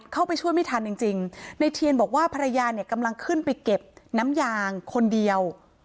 เข้าไปช่วยไม่ทันจริงจริงในเทียนบอกว่าภรรยาเนี่ยกำลังขึ้นไปเก็บน้ำยางคนเดียว